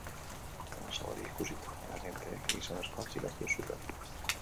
Eraso hori ikusita, agenteek gizonezkoa atxilotu zuten.